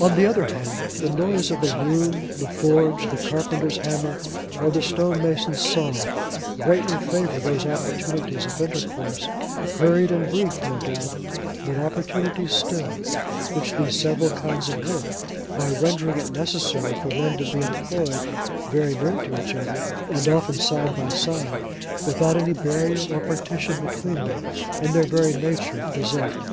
On the other hand, the noise of the loom, the forge, the carpenter's hammer, or the stonemason's saw, greatly favour those opportunities of intercourse—hurried and brief no doubt, but opportunities still—which these several kinds of work, by rendering it necessary for men to be employed very near to each other, and often side by side, without any barrier or partition between them, in their very nature present.